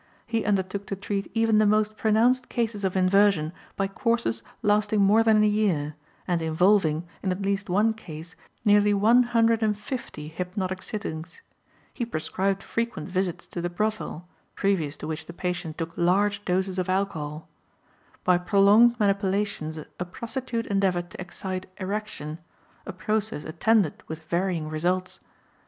He undertook to treat even the most pronounced cases of inversion by courses lasting more than a year, and involving, in at least one case, nearly one hundred and fifty hypnotic sittings; he prescribed frequent visits to the brothel, previous to which the patient took large doses of alcohol; by prolonged manipulations a prostitute endeavored to excite erection, a process attended with varying results.